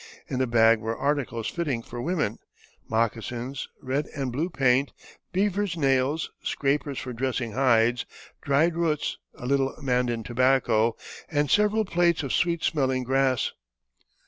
In a bag were articles fitting for women moccasins, red and blue paint, beavers' nails, scrapers for dressing hides, dried roots, a little Mandan tobacco, and several plaits of sweet smelling grass.